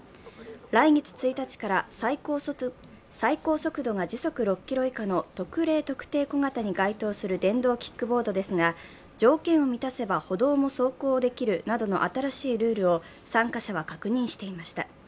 来月１日から最高速度が時速６キロ以下の特例特定小型に属するキックボードですが、上限を満たせば歩道も走行できるなどの新しいルールを参加者は確認していました。